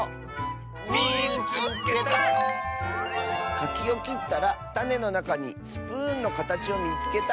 「かきをきったらたねのなかにスプーンのかたちをみつけた！」。